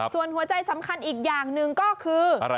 ส่วนหัวใจสำคัญอีกอย่างหนึ่งก็คือ